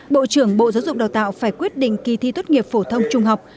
bộ trưởng bộ giáo dục đào tạo phải quyết định kỳ thi tốt nghiệp phổ thông trung học